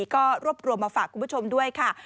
ก็รวบรวมมาฝากคุณผู้ชมด้วยค่ะ